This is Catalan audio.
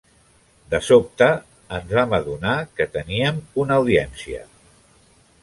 De sobte, ens vam adonar que teníem una audiència.